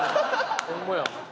ホンマや。